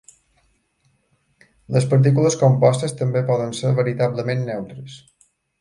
Les partícules compostes també poden ser veritablement neutres.